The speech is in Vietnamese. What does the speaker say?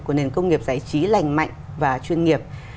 của nền công nghiệp giải trí lành mạnh và chuyên nghiệp